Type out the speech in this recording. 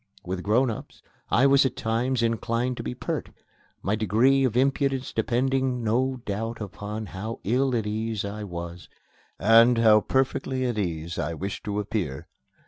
With grown ups, I was at times inclined to be pert, my degree of impudence depending no doubt upon how ill at ease I was and how perfectly at ease I wished to appear.